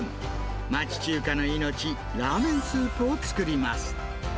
町中華の命、ラーメンスープを作ります。